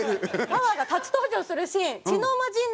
パワーが初登場するシーン。